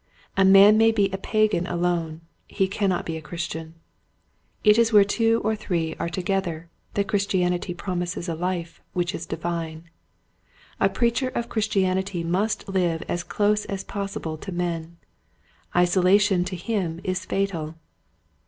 A man may be a pagan alone, he cannot be a Christian. It is where two or three are together that Christianity prom ises a life which is divine. A preacher of Christianity must live as close as possible to men. Isolation to him is fatal.